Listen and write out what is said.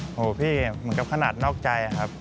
โหพี่เหมือนกับขนาดนอกใจครับ